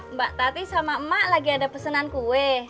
mbak tati sama emak lagi ada pesanan kue